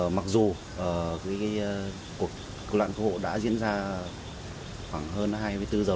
mặc dù cuộc nạn cứu hộ đã diễn ra khoảng hơn hai mươi bốn giờ hôm hồi rồi